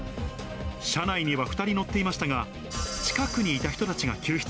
車内には２人乗っていましたが、近くにいた人たちが救出。